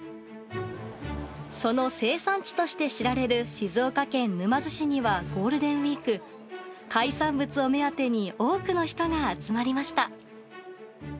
その生産地として知られる静岡県沼津市にはゴールデンウィーク、海産物を目当てに多くの人が集まりました。